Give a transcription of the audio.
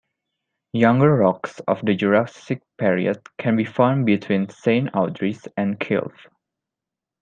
Younger rocks of the Jurassic period can be found between Saint Audries and Kilve.